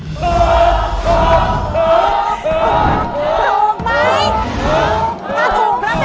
ถูกไหม